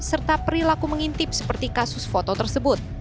serta perilaku mengintip seperti kasus foto tersebut